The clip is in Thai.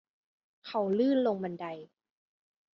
เขาลื่นลงบันได